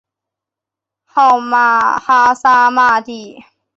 号玛哈萨嘛谛。